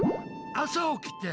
朝起きて。